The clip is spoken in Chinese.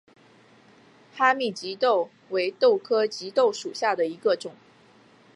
哈密棘豆为豆科棘豆属下的一个种。